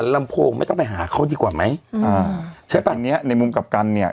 ลำโพงไม่ต้องไปหาเขาดีกว่าไหมอ่าใช้ปันเนี้ยในมุมกลับกันเนี่ย